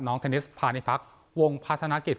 เทนนิสพาณิพักษ์วงพัฒนากิจ